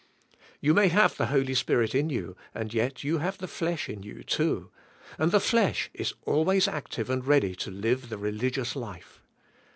You may have the Holy Spirit in you and yet you have the flesh in you too, and the flesh is always active and ready to live the religious life.